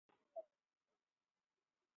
Apu school হইতে আসিয়া বই নামাইয়া রাখিতেছে।